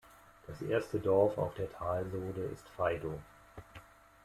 Das erste Dorf auf der Talsohle ist Faido.